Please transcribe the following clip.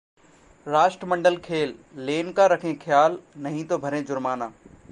राष्ट्रमंडल खेलः लेन का रखें ख्याल, नहीं तो भरें जुर्माना